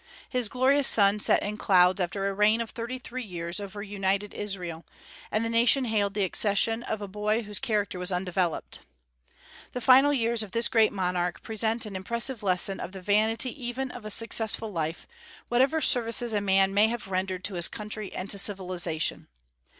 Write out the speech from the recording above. His glorious sun set in clouds after a reign of thirty three years over united Israel, and the nation hailed the accession of a boy whose character was undeveloped. The final years of this great monarch present an impressive lesson of the vanity even of a successful life, whatever services a man may have rendered to his country and to civilization.